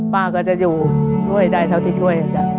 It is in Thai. ป้าก็จะอยู่ช่วยได้เท่าที่ช่วย